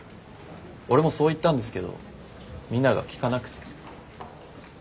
俺もそう言ったんですけどみんなが聞かなくて。